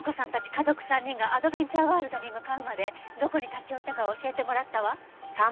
家族３人がアドベンチャーワールドに向かうまでどこに立ち寄ったかを教えてもらったわ。